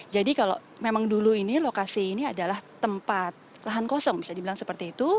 jadi kalau memang dulu ini lokasi ini adalah tempat lahan kosong bisa dibilang seperti itu